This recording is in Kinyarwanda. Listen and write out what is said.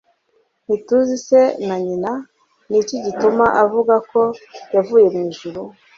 Ntituzi se na nyina. Ni iki gituma avuga ko yavuye mu ijuru.»